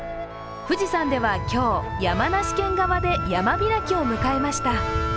富士山では今日、山梨県側で山開きを迎えました。